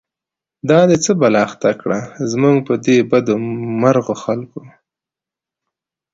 دا دی څه بلا اخته کړه، زموږ په دی بد مرغو خلکو